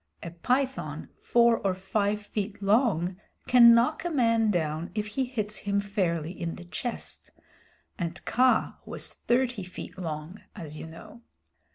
A python four or five feet long can knock a man down if he hits him fairly in the chest, and Kaa was thirty feet long, as you know.